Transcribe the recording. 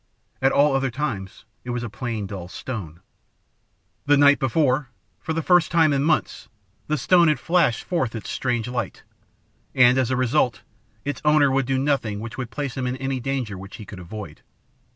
At all other times it was a plain dull stone. "The night before, for the first time in months, the stone had flashed forth its strange light; and as a result its owner would do nothing which would place him in any danger which he could avoid.